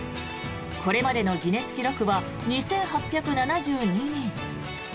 これまでのギネス記録は２８７２人。